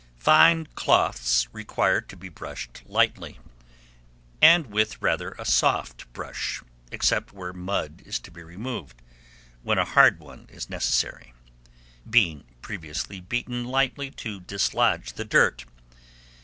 Fine cloths require to be brushed lightly, and with rather a soft brush, except where mud is to be removed, when a hard one is necessary, being previously beaten lightly to dislodge the dirt.